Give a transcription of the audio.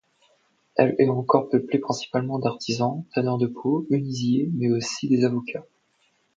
Elle est encore peuplée principalement d'artisans, tanneurs de peaux, menuisiers, mais aussi des avocats.